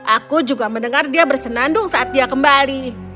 aku juga mendengar dia bersenandung saat dia kembali